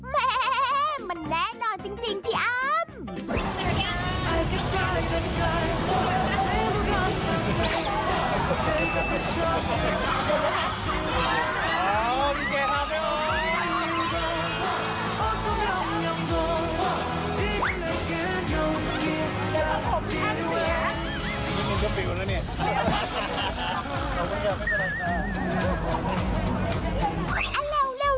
แม่มันแน่นอนจริงที่อาจมีเรียเป็นแฟนคลับโน่นึงแล้ว